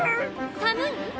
寒い？